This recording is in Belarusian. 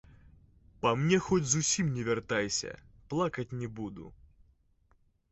Па мне хоць зусім не вяртайся, плакаць не буду.